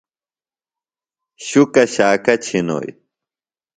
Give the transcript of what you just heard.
شُکہ شاکہ چِھنوئی۔